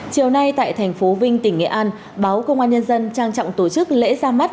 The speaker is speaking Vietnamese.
chiều nay tại thành phố vinh tỉnh nghệ an báo công an nhân dân trang trọng tổ chức lễ ra mắt